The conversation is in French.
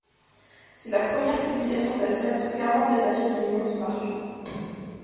C'est la première publication d'algèbre clairement détachée du monde marchand.